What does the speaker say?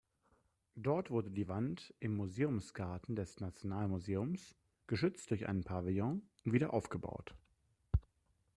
Dort wurde die Wand im Museumsgarten des Nationalmuseums, geschützt durch einen Pavillon, wieder aufgebaut.